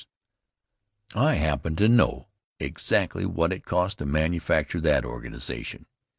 I happen to know exactly what it cost to manufacture that organization.